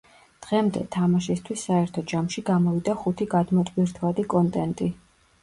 დღემდე, თამაშისთვის, საერთო ჯამში, გამოვიდა ხუთი გადმოტვირთვადი კონტენტი.